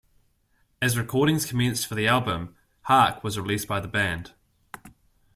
As recordings commenced for the album, Harck was released by the band.